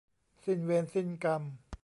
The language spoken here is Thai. สิ้นเวรสิ้นกรรม